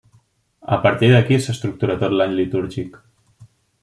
A partir d'aquí s'estructura tot l'any litúrgic.